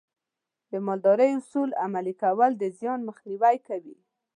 د مالدارۍ اصول عملي کول د زیان مخنیوی کوي.